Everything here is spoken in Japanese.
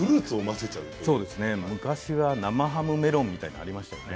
昔は生ハムメロンみたいなものがありましたね。